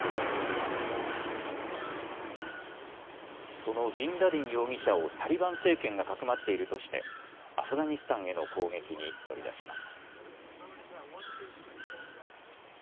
そのビンラディン容疑者をタリバン政権がかくまっているとしてアフガニスタンへの攻撃に乗り出します。